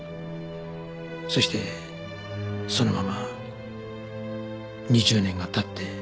そしてそのまま２０年が経って。